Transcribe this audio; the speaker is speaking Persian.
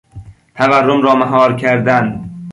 تورم را مهار کردن